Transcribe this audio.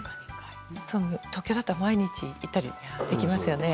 東京だったら毎日行ったりできますよね。